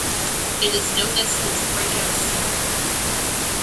It is known as his breakout single.